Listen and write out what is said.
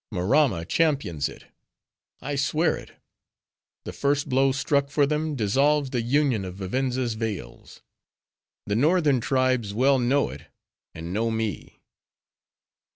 Maramma champions it!—I swear it! The first blow struck for them, dissolves the union of Vivenza's vales. The northern tribes well know it; and know me."